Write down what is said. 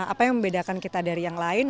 apa yang membedakan kita dari yang lain